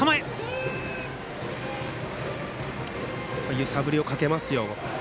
揺さぶりをかけますよ。